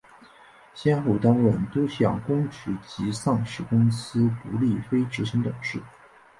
先后担任多项公职及上市公司独立非执行董事。